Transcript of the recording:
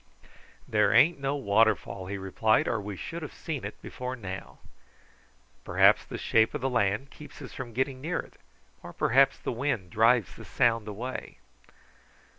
"There ain't no waterfall," he replied, "or we should have seen it before now." "Perhaps the shape of the land keeps us from getting near it, or perhaps the wind drives the sound away."